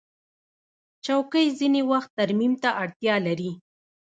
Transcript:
چوکۍ ځینې وخت ترمیم ته اړتیا لري.